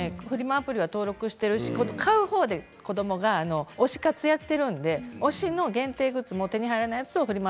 アプリは登録しているし子どもが推し活をやっているので推しの限定グッズで手に入らないものをフリマ